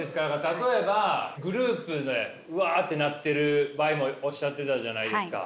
例えばグループでわってなってる場合もおっしゃってたじゃないですか。